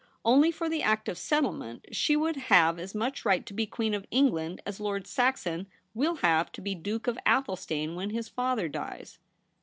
Only for the Act of Settlement, she would have as much right to be Queen of England as Lord Saxon will have to be Duke of Athelstane when his father dies.'